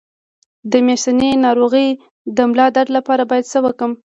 د میاشتنۍ ناروغۍ د ملا درد لپاره باید څه وکړم؟